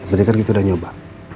yang penting kan kita udah nyoba